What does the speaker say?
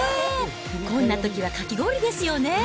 こんなときはかき氷ですよね。